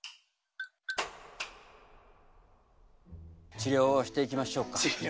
治療をしていきましょうか。